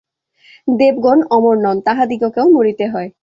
দেবগণ অমর নন, তাঁহাদিগকেও মরিতে হয়।